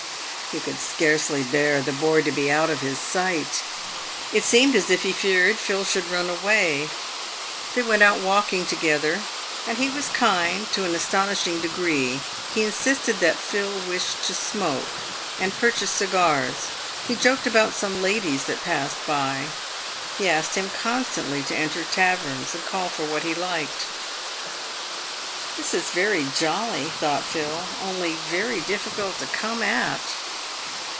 He could scarcely bear the boy to be out of his sight. It seemed as if he feared Phil should run away. They went out walking together, and he was kind to an astonishing degree. He insisted that Phil wished to smoke, and purchased cigars. He joked him about some ladies that passed 346 PAVED WITH GOLD. by. He asked him constantly to enter taverns and call for what he liked. " This is very jolly," thought Phil, " only very difficult to come at."